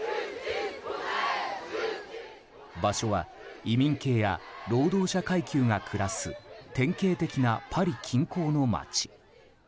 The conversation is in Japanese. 場所は移民系や労働者階級が暮らす典型的なパリ近郊の街。